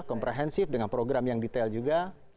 komprehensif dengan program yang detail juga